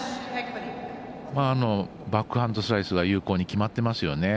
バックハンドスライスが有効に決まってますよね。